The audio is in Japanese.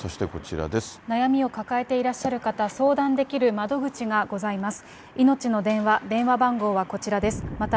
悩みを抱えていらっしゃる方、相談できる窓口がございます。